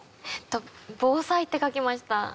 えっと防災って書きました。